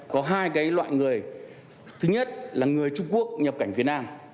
có hai loại người thứ nhất là người trung quốc nhập cảnh việt nam